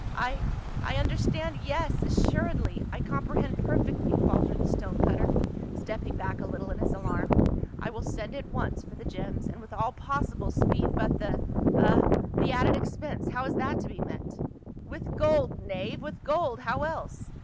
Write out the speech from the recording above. " I — I understand, yes — a.ssuredly, I comprehend perfectly," faltered the stone cutter, stepping back a little in his alarm. " I will send at once for the gems, and with all possible speed ; but the — ah — the added expense, how is that to be met?" " With gold, knave, with gold, how el.se